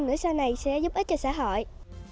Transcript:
nếu sau này sẽ giúp ích cho xã hội